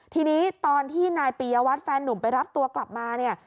ทีนี้ตอนที่นายปียวัตรแฟนนุ่มไปรับตัวกลับมาเนี่ย